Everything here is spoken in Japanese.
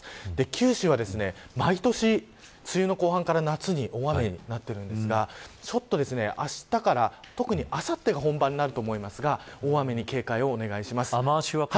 九州は、毎年、梅雨の後半から夏に大雨になっているんですがちょっと、あしたから特にあさってからが本場になると思いますが大雨に警戒をお願いします。